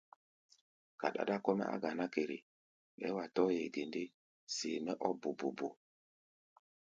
Ka ɗáɗá kɔ́-mɛ́ á ganá kere, bɛɛ́ wa tɔ̧́ hee ge ndé, see-mɛ́ ɔ́ bobobo.